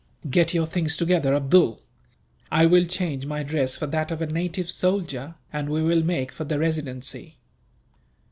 "Get your things together, Abdool. I will change my dress for that of a native soldier, and we will make for the Residency."